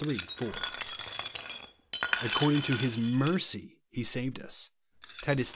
4) ;" according to his mercy he saved us," (Titus iii.